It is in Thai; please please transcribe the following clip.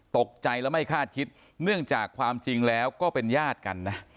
ตกใจและไม่คาดคิดเนื่องจากความจริงแล้วก็เป็นญาติกันนะ